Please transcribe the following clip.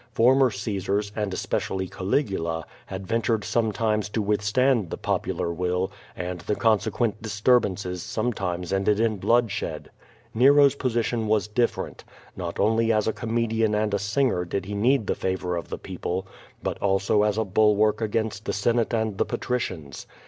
Former Caesars, and especially Ca ligula, had ventured sometimes to withstand the popular will, and the consequent disturbances sometimes ended in blood shed. Xero's position was different. Not only as a come dian and a singer did he need the favor of the people, but also as a bulwark against the Senate and the patricians.